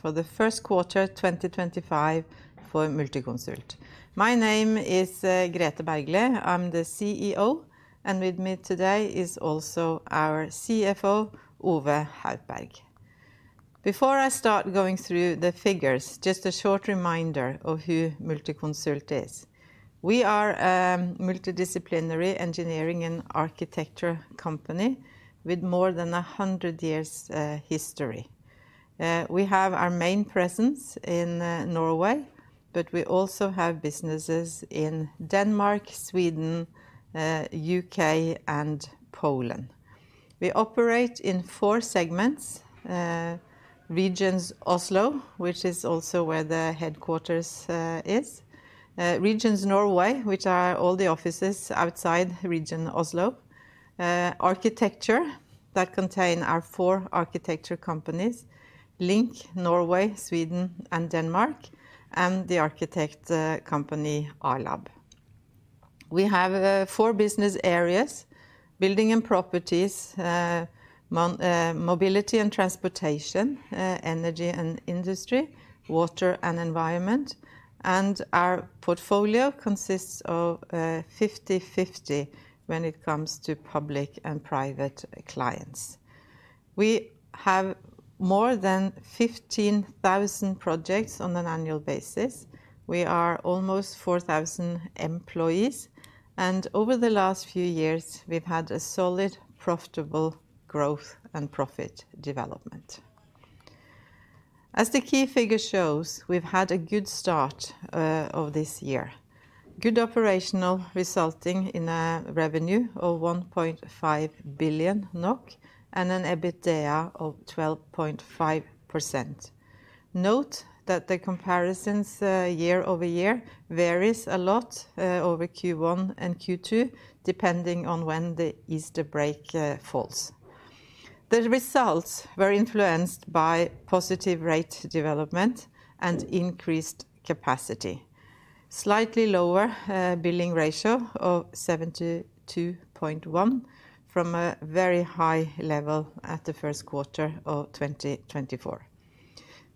For the first quarter 2025 for Multiconsult. My name is Grethe Bergly, I'm the CEO, and with me today is also our CFO, Ove Haupberg. Before I start going through the figures, just a short reminder of who Multiconsult is. We are a multidisciplinary engineering and architecture company with more than a hundred years' history. We have our main presence in Norway, but we also have businesses in Denmark, Sweden, the U.K., and Poland. We operate in four segments: Region Oslo, which is also where the headquarters is; Region Norway, which are all the offices outside Region Oslo; Architecture, that contains our four architecture companies: LINK, Norway, Sweden, and Denmark; And the architect company A-lab. We have four business areas: building and properties, mobility and transportation, energy and industry, water and environment, and our portfolio consists of 50/50 when it comes to public and private clients. We have more than 15,000 projects on an annual basis. We are almost 4,000 employees, and over the last few years, we've had a solid, profitable growth and profit development. As the key figure shows, we've had a good start of this year. Good operational resulting in a revenue of 1.5 billion NOK and an EBITDA of 12.5%. Note that the comparisons year over year vary a lot over Q1 and Q2, depending on when the Easter break falls. The results were influenced by positive rate development and increased capacity. Slightly lower Billing ratio of 72.1% from a very high level at the first quarter of 2024.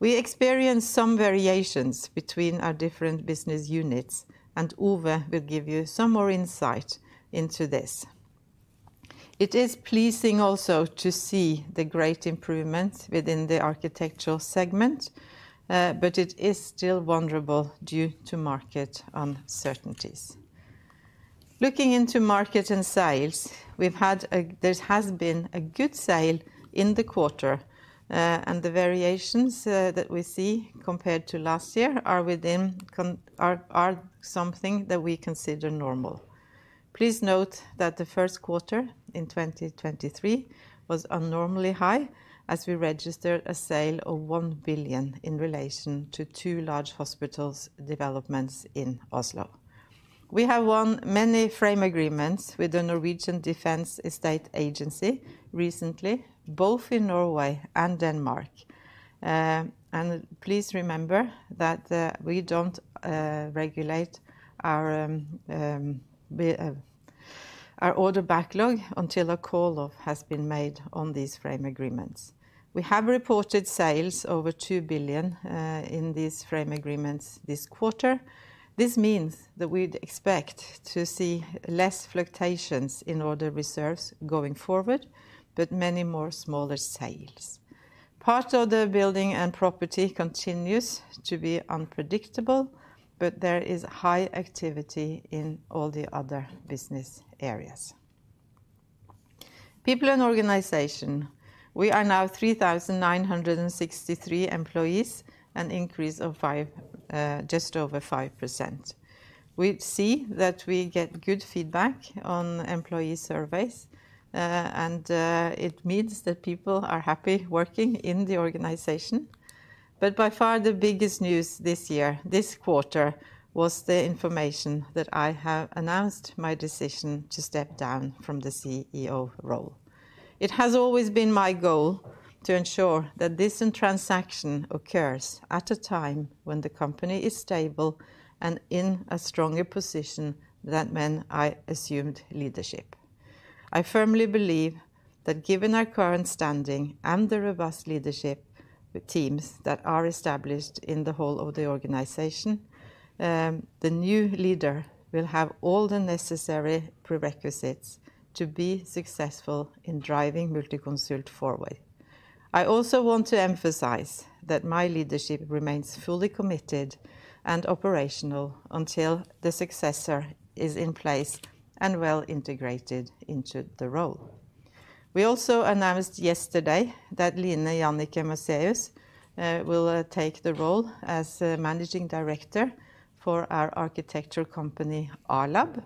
We experienced some variations between our different business units, and Ove will give you some more insight into this. It is pleasing also to see the great improvements within the architectural segment, but it is still vulnerable due to market uncertainties. Looking into market and sales, we've had a—there has been a good sale in the quarter, and the variations that we see compared to last year are within—are something that we consider normal. Please note that the first quarter in 2023 was unnormally high, as we registered a sale of 1 billion in relation to two large hospitals' developments in Oslo. We have won many frame agreements with the Norwegian Defense Estate Agency recently, both in Norway and Denmark. Please remember that we don't regulate our order backlog until a call has been made on these frame agreements. We have reported sales over 2 billion in these frame agreements this quarter. This means that we'd expect to see less fluctuations in order reserves going forward, but many more smaller sales. Part of the building and property continues to be unpredictable, but there is high activity in all the other business areas. People and organization. We are now 3,963 employees, an increase of just over 5%. We see that we get good feedback on employee surveys, and it means that people are happy working in the organization. By far, the biggest news this year, this quarter, was the information that I have announced my decision to step down from the CEO role. It has always been my goal to ensure that this transaction occurs at a time when the company is stable and in a stronger position than when I assumed leadership. I firmly believe that given our current standing and the robust leadership teams that are established in the whole of the organization, the new leader will have all the necessary prerequisites to be successful in driving Multiconsult forward. I also want to emphasize that my leadership remains fully committed and operational until the successor is in place and well integrated into the role. We also announced yesterday that Line Janicke Musaeus will take the role as Managing Director for our architecture company, A-lab.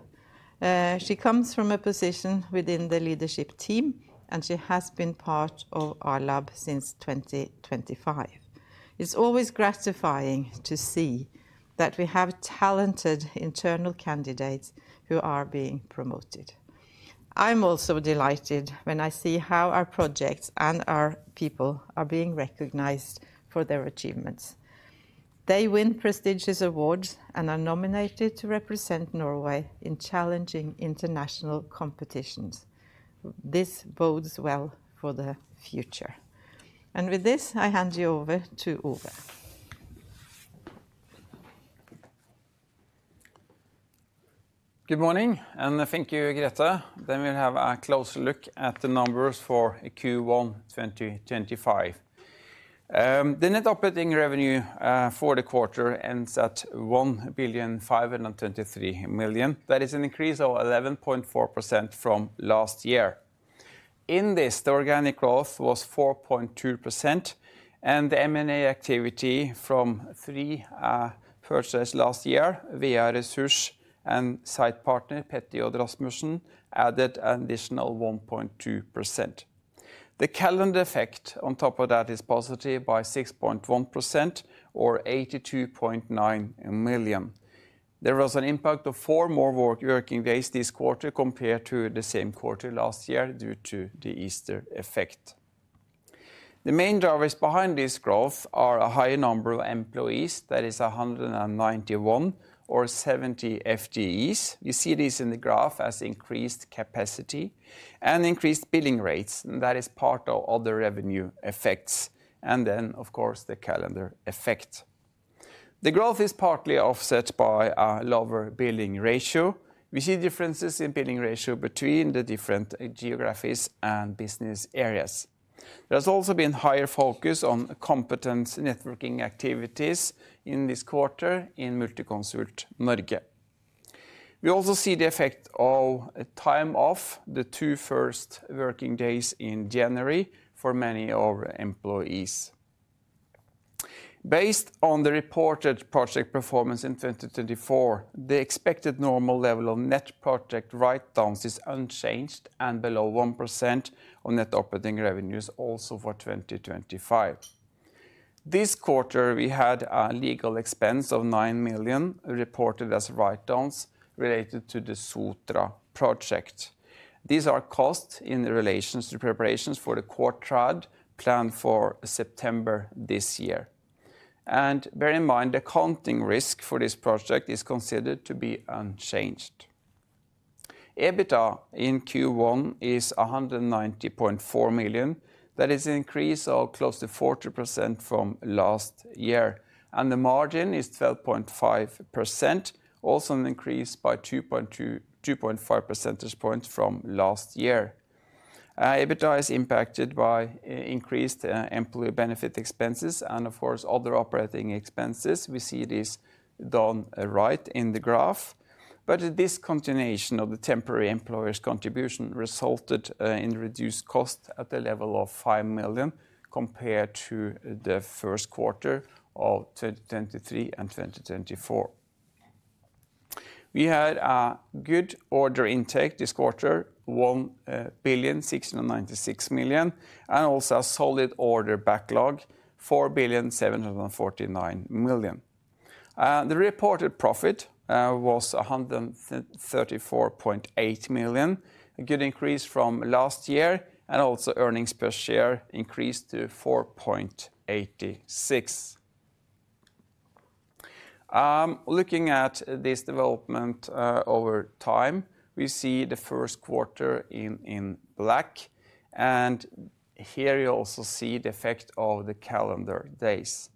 She comes from a position within the leadership team, and she has been part of A-lab since 2015. It's always gratifying to see that we have talented internal candidates who are being promoted. I'm also delighted when I see how our projects and our people are being recognized for their achievements. They win prestigious awards and are nominated to represent Norway in challenging international competitions. This bodes well for the future. With this, I hand you over to Ove. Good morning, and thank you, Grethe. We will have a closer look at the numbers for Q1 2025. The Net operating revenue for the quarter ends at 1,523 million. That is an increase of 11.4% from last year. In this, the organic growth was 4.2%, and the M&A activity from three purchases last year, VA Resurs and Site Partner Petter Odd Rasmussen, added an additional 1.2%. The calendar effect on top of that is positive by 6.1%, or 82.9 million. There was an impact of four more working days this quarter compared to the same quarter last year due to the Easter effect. The main drivers behind this growth are a higher number of employees. That is 191, or 70 FTEs. You see these in the graph as increased capacity and increased billing rates. That is part of other revenue effects. Of course, the calendar effect. The growth is partly offset by a lower Billing ratio. We see differences in Billing ratio between the different geographies and business areas. There has also been higher focus on competence networking activities in this quarter in Multiconsult Norge. We also see the effect of time off, the two first working days in January for many of our employees. Based on the reported project performance in 2024, the expected normal level of net project write-downs is unchanged and below 1% of Net operating revenues also for 2025. This quarter, we had a legal expense of 9 million reported as write-downs related to the Sotra project. These are costs in relation to preparations for the quartraad planned for September this year. Bear in mind, the accounting risk for this project is considered to be unchanged. EBITDA in Q1 is 190.4 million. That is an increase of close to 40% from last year. The margin is 12.5%, also an increase by 2.5 percentage points from last year. EBITDA is impacted by increased employee benefit expenses and, of course, other operating expenses. We see this down right in the graph. This continuation of the temporary employer's contribution resulted in reduced costs at the level of 5 million compared to the first quarter of 2023 and 2024. We had a good order intake this quarter, 1 billion, 696 million, and also a solid order backlog, 4 billion, 749 million. The reported profit was 134.8 million, a good increase from last year, and also earnings per share increased to 4.86. Looking at this development over time, we see the first quarter in black. Here you also see the effect of the calendar days.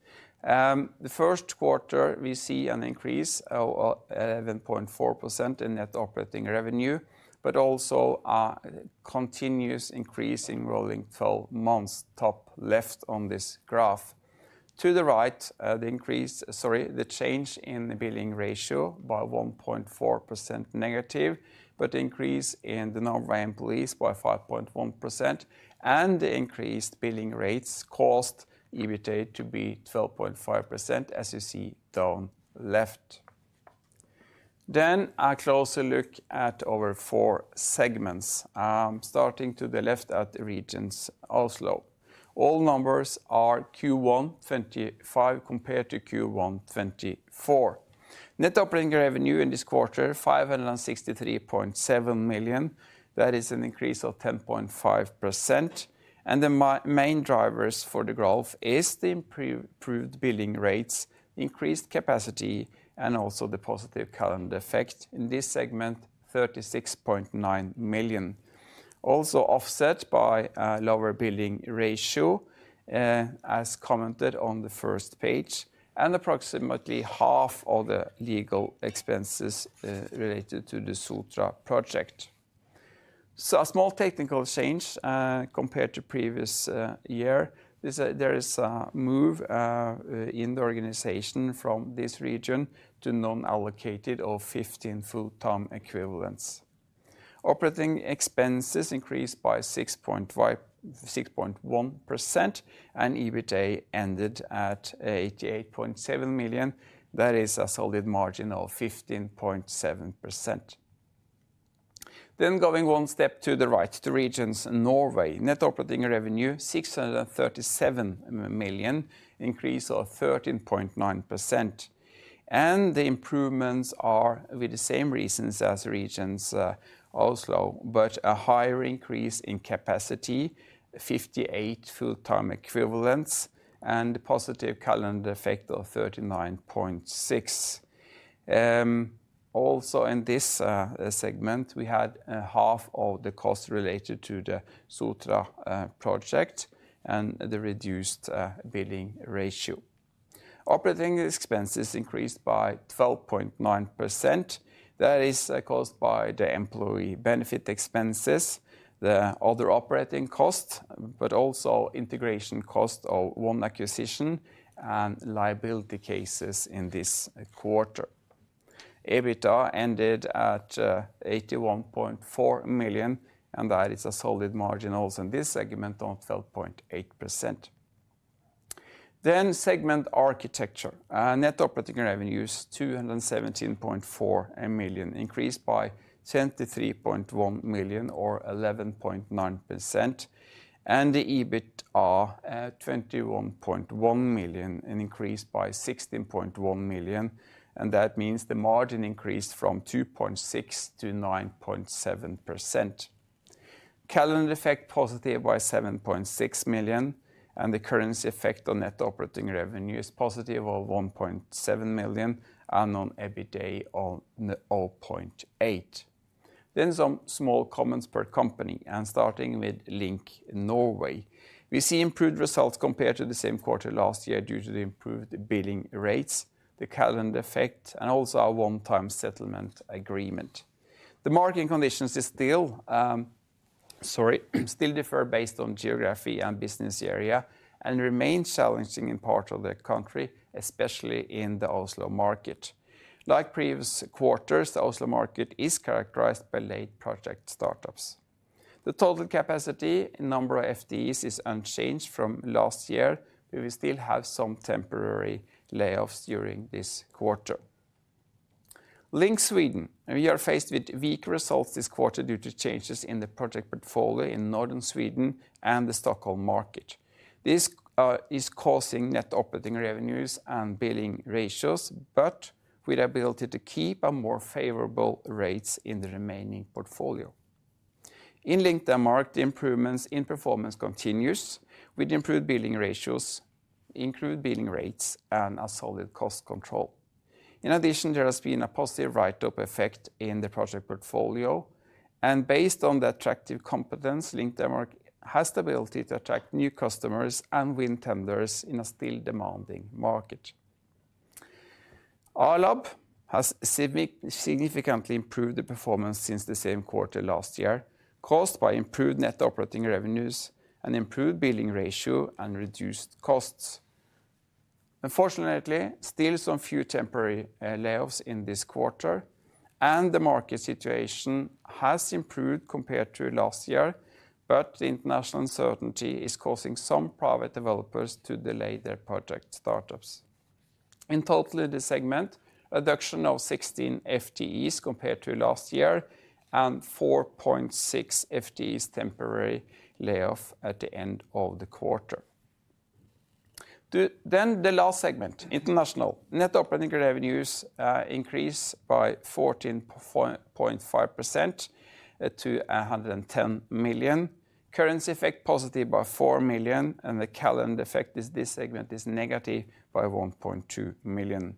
The first quarter, we see an increase of 11.4% in Net operating revenue, but also a continuous increase in rolling 12 months, top left on this graph. To the right, the increase, sorry, the change in the Billing ratio by 1.4% negative, but the increase in the number of employees by 5.1% and the increased billing rates caused EBITDA to be 12.5%, As you see down left. A closer look at our four segments, starting to the left at Regions Oslo. All numbers are Q1 2025 compared to Q1 2024. Net operating revenue in this quarter, 563.7 million. That is an increase of 10.5%. The main drivers for the growth are the improved billing rates, increased capacity, and also the positive calendar effect in this segment, 36.9 million. Also offset by a lower Billing ratio, as commented on the first page, and approximately half of the legal expenses related to the Sotra project. A small technical change compared to the previous year. There is a move in the organization from this region to non-allocated of 15 full-time equivalents. Operating expenses increased by 6.1%, and EBITDA ended at 88.7 million. That is a solid margin of 15.7%. Going one step to the right to Regions Norway, Net operating revenue, 637 million, increase of 13.9%. The improvements are with the same reasons as Regions Oslo, but a higher increase in capacity, 58 full-time equivalents, and a positive calendar effect of 39.6. Also in this segment, we had half of the cost related to the Sotra project and the reduced Billing ratio. Operating expenses increased by 12.9%.That is caused by the employee benefit expenses, the other operating costs, but also integration costs of one acquisition and liability cases in this quarter. EBITDA ended at 81.4 million, and that is a solid margin also in this segment of 12.8%. Segment architecture, Net operating revenues, 217.4 million, increased by 23.1 million, or 11.9%, and the EBITDA, 21.1 million, increased by 16.1 million. That means the margin increased from 2.6% to 9.7%. Calendar effect positive by 7.6 million, and the currency effect on Net operating revenue is positive of 1.7 million and on EBITDA of 0.8 million. Some small comments per company, starting with LINK Norway. We see improved results compared to the same quarter last year due to the improved billing rates, the calendar effect, and also our one-time settlement agreement. The marketing conditions still, sorry, still differ based on geography and business area and remain challenging in part of the country, especially in the Oslo market. Like previous quarters, the Oslo market is characterized by late project startups. The total capacity and number of FTEs is unchanged from last year, but we still have some temporary layoffs during this quarter. LINK Sweden, we are faced with weak results this quarter due to changes in the project portfolio in northern Sweden and the Stockholm market. This is causing Net operating revenues and Billing ratios, but we are able to keep our more favorable rates in the remaining portfolio. In LINK Denmark, the improvements in performance continues with improved Billing ratios, improved billing rates, and a solid cost control. In addition, there has been a positive write-up effect in the project portfolio. Based on the attractive competence, LINK Denmark has the ability to attract new customers and win tenders in a still demanding market. A-lab has significantly improved the performance since the same quarter last year, caused by improved Net operating revenues and improved Billing ratio and reduced costs. Unfortunately, still some few temporary layoffs in this quarter, and the market situation has improved compared to last year, But the international uncertainty is causing some private developers to delay their project startups. In total, in this segment, a reduction of 16 FTEs compared to last year and 4.6 FTEs temporary layoff at the end of the quarter. The last segment, international, Net operating revenues increase by 14.5% to 110 million. Currency effect positive by 4 million, and the calendar effect in this segment is negative by 1.2 million.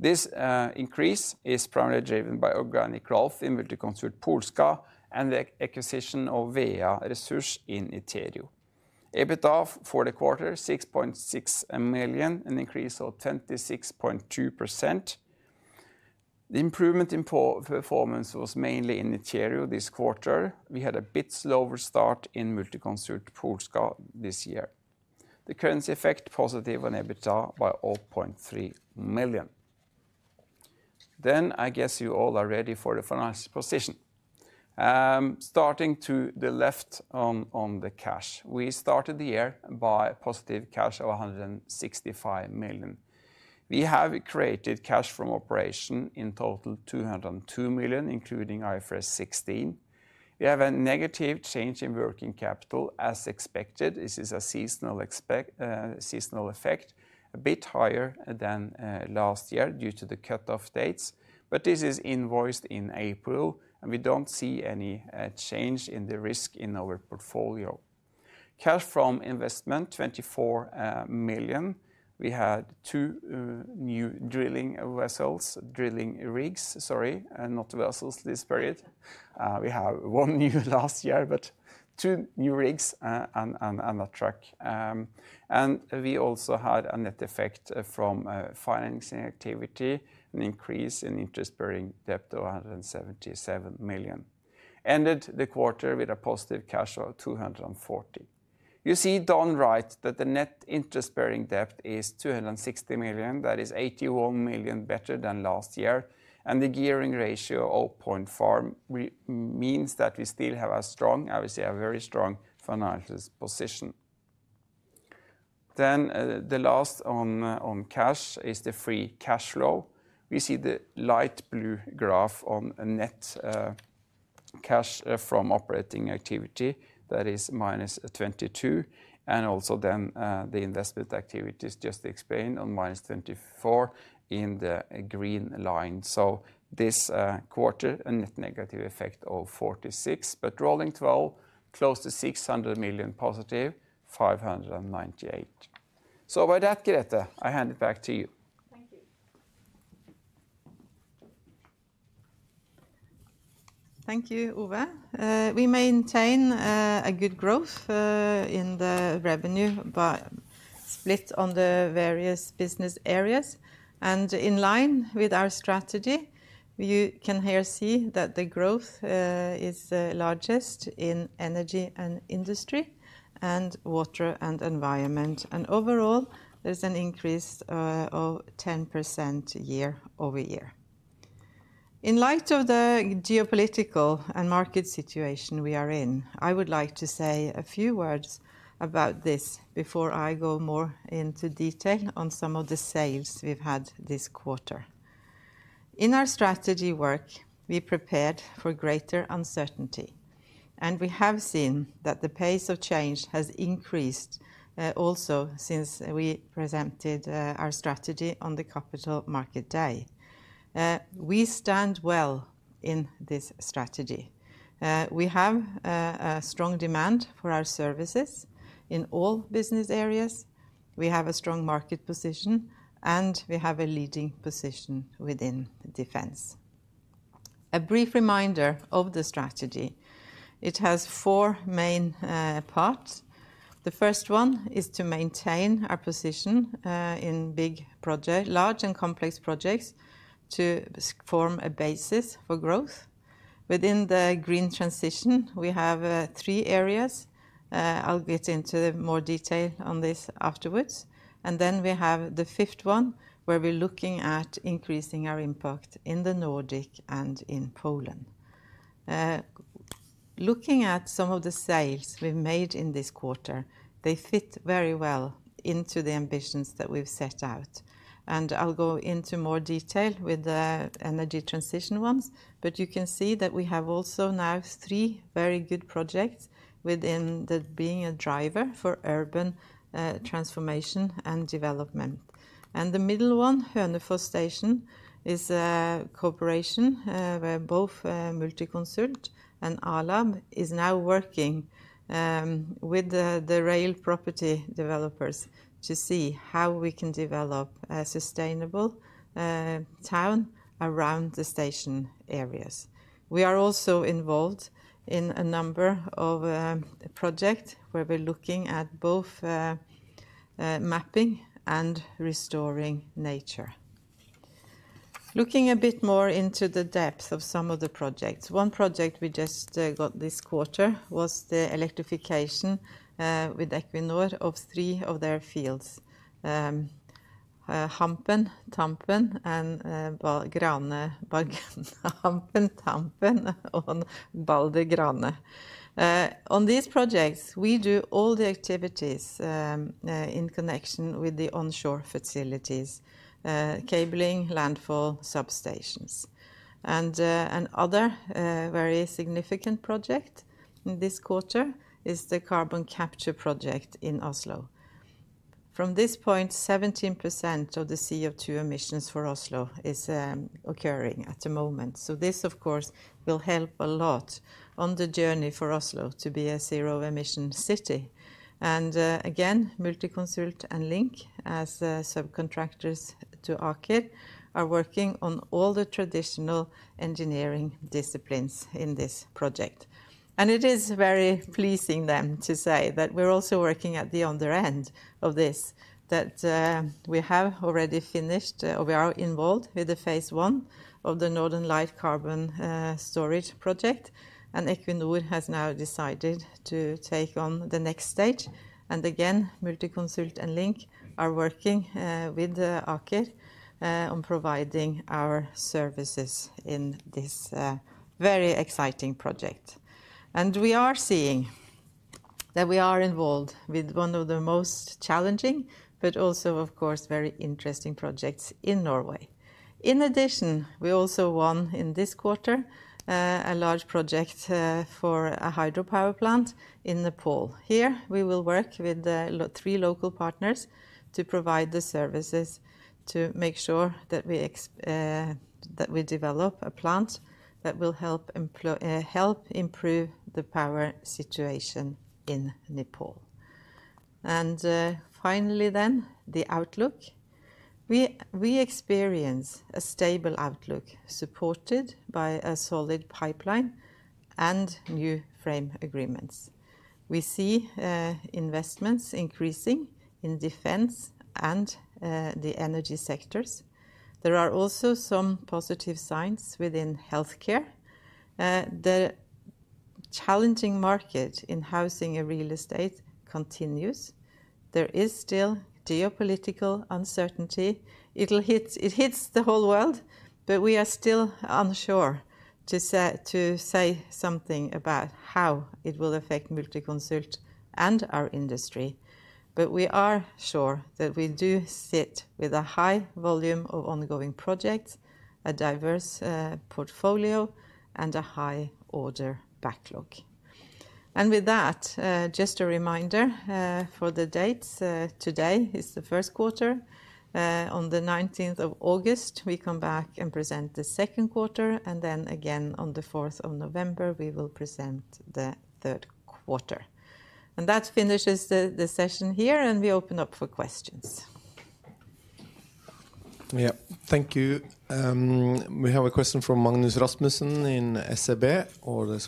This increase is primarily driven by organic growth in Multiconsult Polska and the acquisition of VA Resurs in Iterio. EBITDA for the quarter, 6.6 million, an increase of 26.2%. The improvement in performance was mainly in Iterio this quarter. We had a bit slower start in Multiconsult Polska this year. The currency effect positive on EBITDA by 0.3 million. I guess you all are ready for the final position. Starting to the left on the cash, we started the year by a positive cash of 165 million. We have created cash from operation in total 202 million, including IFRS 16. We have a negative change in working capital as expected. This is a seasonal effect, a bit higher than last year due to the cut-off dates, but this is invoiced in April, and we do not see any change in the risk in our portfolio. Cash from investment, 24 million. We had two new Drilling rigs, sorry, not vessels this period. We had one new last year, but two new rigs and a truck. We also had a net effect from financing activity, an increase in interest-bearing debt of 177 million. Ended the quarter with a positive cash of 240 million. You see down right that the net interest-bearing debt is 260 million. That is 81 million better than last year. The gearing ratio of 0.5 means that we still have a strong, I would say a very strong financial position. The last on cash is the free cash flow. We see the light blue graph on net cash from operating activity. That is minus 22 million. Also, the investment activity is just explained on minus 24 million in the green line. This quarter, a net negative effect of 46, but rolling 12, close to 600 million positive, 598 million. With that, Grethe, I hand it back to you. Thank you. Thank you, Ove. We maintain good growth in the revenue by split on the various business areas. In line with our strategy, you can here see that the growth is largest in energy and industry and water and environment. Overall, there is an increase of 10% year over year. In light of the geopolitical and market situation we are in, I would like to say a few words about this before I go more into detail on some of the sales we have had this quarter. In our strategy work, we prepared for greater uncertainty, and we have seen that the pace of change has increased also since we presented our strategy on the Capital Market Day. We stand well in this strategy. We have a strong demand for our services in all business areas. We have a strong market position, and we have a leading position within defense. A brief reminder of the strategy. It has four main parts. The first one is to maintain our position in big projects, large and complex projects to form a basis for growth. Within the green transition, we have three areas. I'll get into more detail on this afterwards. Then we have the fifth one, where we're looking at increasing our impact in the Nordic and in Poland. Looking at some of the sales we've made in this quarter, they fit very well into the ambitions that we've set out. I'll go into more detail with the energy transition ones, but you can see that we have also now three very good projects within being a driver for urban transformation and development. The middle one, Hörnefors Station, is a cooperation where both Multiconsult and A-lab are now working with the rail property developers to see how we can develop a sustainable town around the station areas. We are also involved in a number of projects where we're looking at both mapping and restoring nature. Looking a bit more into the depth of some of the projects, one project we just got this quarter was the electrification with Equinor of three of their fields, Hampen, Tampen, and Grane, Hampen, Tampen, and Balde, Grane. On these projects, we do all the activities in connection with the onshore facilities, cabling, landfall, substations. Another very significant project in this quarter is the carbon capture project in Oslo. From this point, 17% of the CO2 emissions for Oslo is occurring at the moment. This, of course, will help a lot on the journey for Oslo to be a zero-emission city. Multiconsult and LINK, as subcontractors to Aker, are working on all the traditional engineering disciplines in this project. It is very pleasing then to say that we're also working at the other end of this, that we have already finished, or we are involved with the phase one of the Northern Light Carbon Storage project, and Equinor has now decided to take on the next stage. Multiconsult and LINK are working with Aker on providing our services in this very exciting project. We are seeing that we are involved with one of the most challenging, but also, of course, very interesting projects in Norway. In addition, we also won in this quarter a large project for a hydropower plant in Nepal. Here, we will work with three local partners to provide the services to make sure that we develop a plant that will help improve the power situation in Nepal. Finally, the outlook. We experience a stable outlook supported by a solid pipeline and new frame agreements. We see investments increasing in defense and the energy sectors. There are also some positive signs within healthcare. The challenging market in housing and real estate continues. There is still geopolitical uncertainty. It hits the whole world, but we are still unsure to say something about how it will affect Multiconsult and our industry. We are sure that we do sit with a high volume of ongoing projects, a diverse portfolio, and a high order backlog. With that, just a reminder for the dates. Today is the first quarter. On the 19th of August, we come back and present the second quarter, and then again on the 4th of November, we will present the third quarter. That finishes the session here, and we open up for questions. Yeah, thank you. We have a question from Magnus Rasmussen in SEB, or there are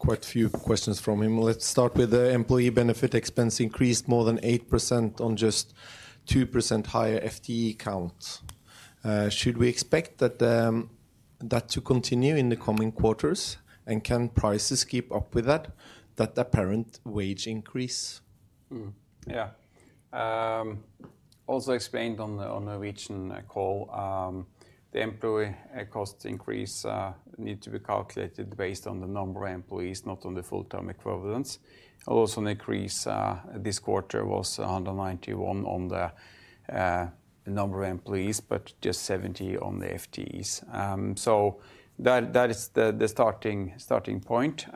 quite a few questions from him. Let's start with the employee benefit expense increased more than 8% on just 2% higher FTE count. Should we expect that to continue in the coming quarters, and can prices keep up with that, that apparent wage increase? Yeah.Also explained on the Norwegian call, the employee cost increase needs to be calculated based on the number of employees, not on the full-time equivalent. Also, an increase this quarter was 191 on the number of employees, but just 70 on the FTEs. That is the starting point.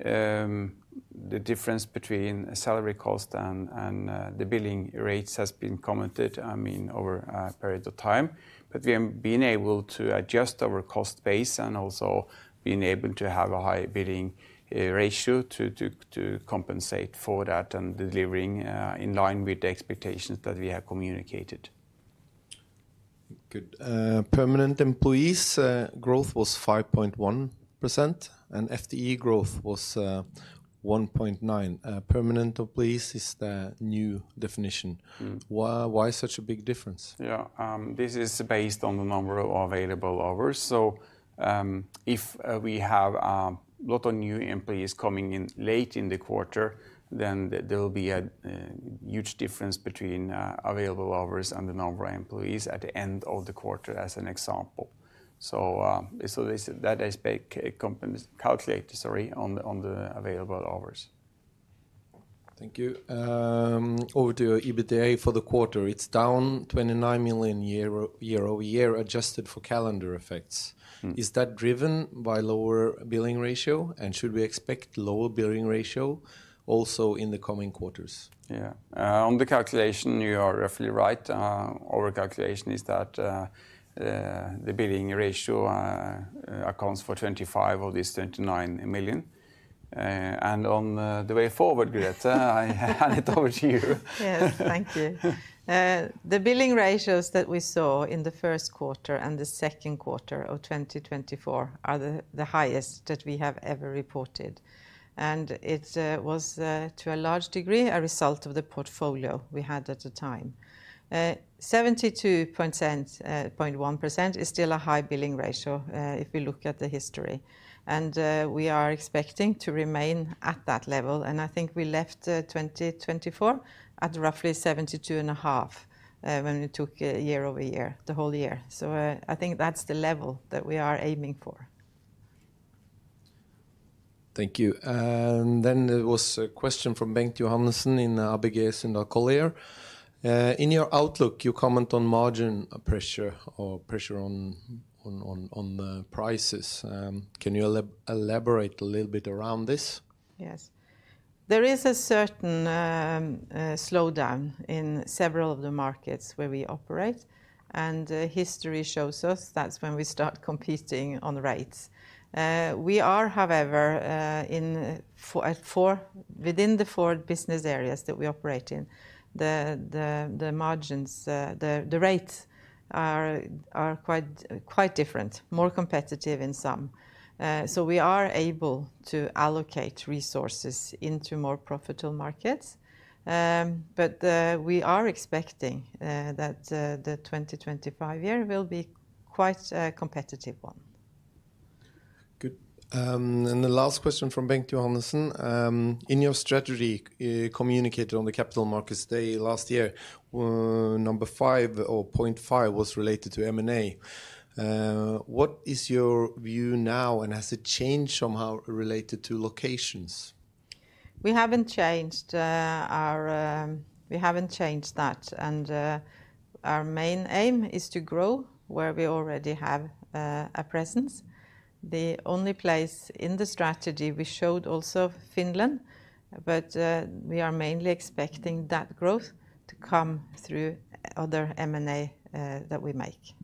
The difference between salary cost and the billing rates has been commented, I mean, over a period of time, but we have been able to adjust our cost base and also been able to have a high Billing ratio to compensate for that and delivering in line with the expectations that we have communicated. Good. Permanent employees growth was 5.1%, and FTE growth was 1.9%. Permanent employees is the new definition. Why such a big difference? Yeah, this is based on the number of available hours. If we have a lot of new employees coming in late in the quarter, then there will be a huge difference between available hours and the number of employees at the end of the quarter, as an example. That aspect is calculated, sorry, on the available hours. Thank you. Over to EBITDA for the quarter. It is down 29 million year over year, adjusted for calendar effects. Is that driven by lower Billing ratio, and should we expect lower Billing ratio also in the coming quarters? Yeah, on the calculation, you are roughly right. Our calculation is that the Billing ratio accounts for 25 million of this 29 million. On the way forward, Grethe, I hand it over to you. Yes, thank you. The Billing ratios that we saw in the first quarter and the second quarter of 2024 are the highest that we have ever reported.It was to a large degree a result of the portfolio we had at the time. 72.1% is still a high Billing ratio if we look at the history. We are expecting to remain at that level. I think we left 2024 at roughly 72.5% when we took year over year, the whole year. I think that is the level that we are aiming for. Thank you. There was a question from Bengt Jonassen in ABG Sundal Collier. In your outlook, you comment on margin pressure or pressure on the prices. Can you elaborate a little bit around this? Yes. There is a certain slowdown in several of the markets where we operate. History shows us that is when we start competing on rates. We are, however, within the four business areas that we operate in, the margins, the rates are quite different, more competitive in some. We are able to allocate resources into more profitable markets. We are expecting that the 2025 year will be quite a competitive one. Good. The last question from Bengt Johannessen. In your strategy communicated on the Capital Markets Day last year, number 5 or 0.5 was related to M&A. What is your view now, and has it changed somehow related to locations? We have not changed that. Our main aim is to grow where we already have a presence. The only place in the strategy we showed also Finland, but we are mainly expecting that growth to come through other M&A that we make.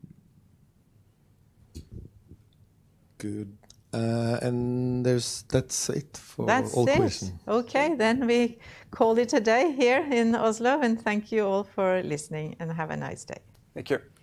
Good. That is it for all questions. That is it. Okay, then we call it a day here in Oslo.Thank you all for listening and have a nice day. Thank you.